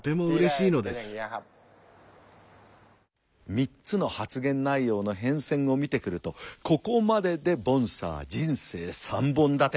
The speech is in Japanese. ３つの発言内容の変遷を見てくるとここまででボンサー人生３本立て。